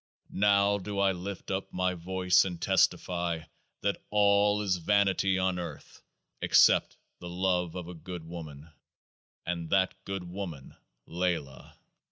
Now do I lift up my voice and testify that all is vanity on earth, except the love of a good woman, and that good woman LAYLAH.